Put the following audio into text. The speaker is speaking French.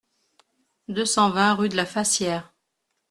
deux cent vingt rue de la Fassière